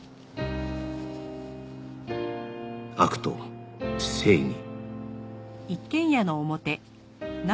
悪と正義